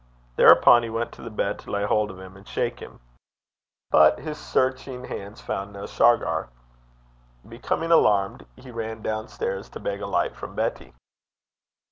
Thereupon he went to the bed to lay hold of him and shake him. But his searching hands found no Shargar. Becoming alarmed, he ran down stairs to beg a light from Betty.